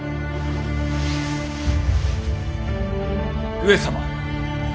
上様。